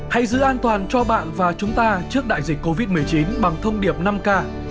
hãy giữ an toàn cho bạn và chúng ta trước đại dịch covid một mươi chín bằng thông điệp năm k